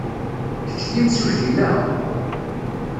Kečč d imsujji, naɣ?